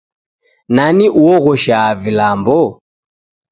Nani uoghoshaa vilambo?